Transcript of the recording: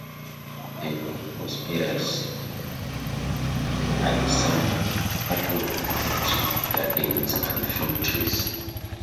They were prosperous, had some cattle and poultry, gardens, and fruit trees.